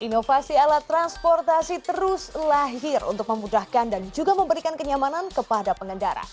inovasi alat transportasi terus lahir untuk memudahkan dan juga memberikan kenyamanan kepada pengendara